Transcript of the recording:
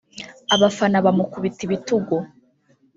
abafana bamukubita ibitugu